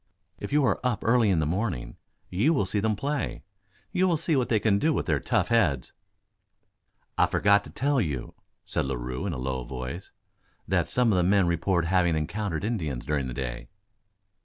If you are up early in the morning you will see them at play you will see what they can do with their tough heads." "I forgot to tell you," said Larue in a low voice, "that some of the men report having encountered Indians during the day."